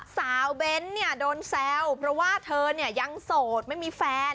เบ้นเนี่ยโดนแซวเพราะว่าเธอเนี่ยยังโสดไม่มีแฟน